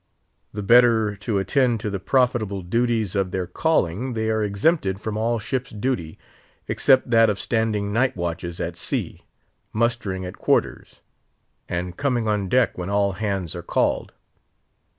The better to attend to the profitable duties of their calling, they are exempted from all ship's duty except that of standing night watches at sea, mustering at quarters, and coming on deck when all hands are called.